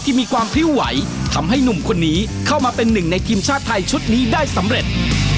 มีความพริ้วไหวทำให้หนุ่มคนนี้เข้ามาเป็นหนึ่งในทีมชาติไทยชุดนี้ได้สำเร็จ